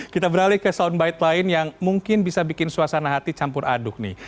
kita beralih ke soundbite lain yang mungkin bisa bikin suasana hati campur aduk nih